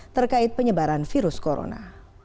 terkait penyebaran virus corona